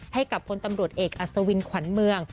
ให้กับพลตำรวจเอกอัศวินขวัญเมือง